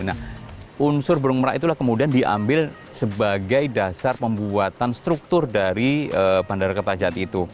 nah unsur burung merah itulah kemudian diambil sebagai dasar pembuatan struktur dari bandara kertajati itu